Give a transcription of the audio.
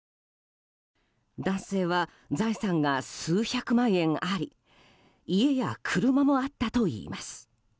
男性は財産が数百万円あり家や車もあったといいます。